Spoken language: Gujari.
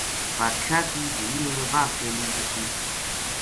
بادشاہ کی دھی نے واہ سیلی چکی